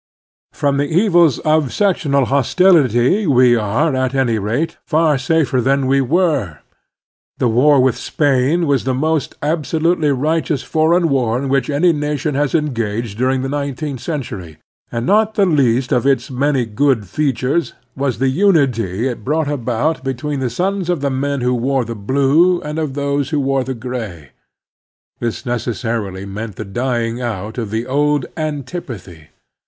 From the evils of sectional hostiUty we are, at any rate, far safer than we were. The war with Spain was the most absolutely righteous foreign war in which any nation has engaged during the nineteenth centiuy, and not the least of its many good features was the unity it brought about between the sons of the men who wore the blue and of those who wore the gray. This neces sarily meant the dying out of the old antipathy.